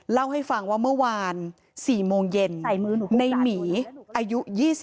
เล่าให้ฟังว่าเมื่อวาน๔โมงเย็นในหมีอายุ๒๒